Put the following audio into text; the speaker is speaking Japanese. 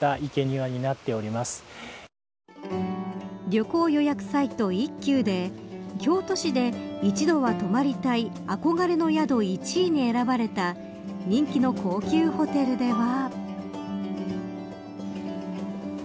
旅行予約サイト、一休で京都市で一度は泊まりたい憧れの宿１位に選ばれた人気の高級ホテルでは。